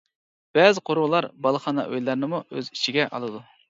بەزى قورۇلار بالىخانا ئۆيلەرنىمۇ ئۆز ئىچىگە ئالىدۇ.